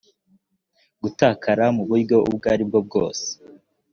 gutakara mu buryo ubwo ari bwo bwose